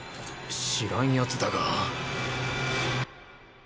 知らんやつだが。